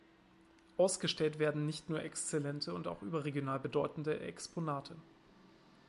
Ausgestellt werden nicht nur exzellente und auch überregional bedeutende Exponate.